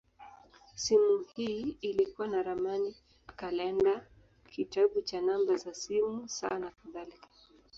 Simu hii ilikuwa na ramani, kalenda, kitabu cha namba za simu, saa, nakadhalika.